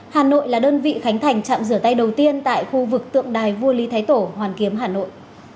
hà nội là đơn vị khánh thành trạm rửa tay đầu tiên tại khu vực tượng đài vua lý thái tổ hoàn kiếm hà nội